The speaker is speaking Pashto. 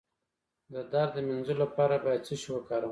د درد د مینځلو لپاره باید څه شی وکاروم؟